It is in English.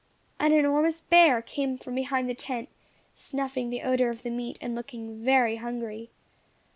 An enormous bear came from behind the tent, snuffing the odour of the meat, and looking very hungry.